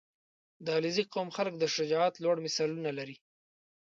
• د علیزي قوم خلک د شجاعت لوړ مثالونه لري.